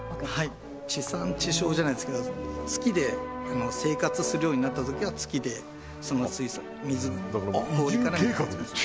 はい地産地消じゃないですけど月で生活するようになったときは月でその水素水移住計画ですよ！